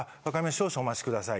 少々お待ちください」って。